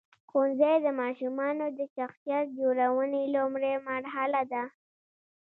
ښوونځی د ماشومانو د شخصیت جوړونې لومړۍ مرحله ده.